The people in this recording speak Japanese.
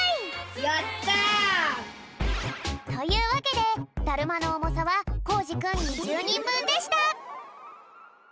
やった！というわけでだるまのおもさはコージくん２０にんぶんでした。